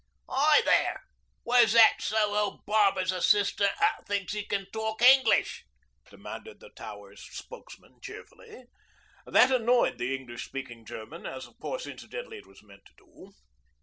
'Hi there! Where's that Soho barber's assistant that thinks 'e can talk Henglish?' demanded the Towers' spokesman cheerfully. That annoyed the English speaking German, as of course incidentally it was meant to do.